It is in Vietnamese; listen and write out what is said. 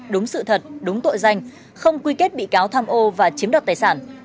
đúng sự thật đúng tội danh không quy kết bị cáo tham ô và chiếm đoạt tài sản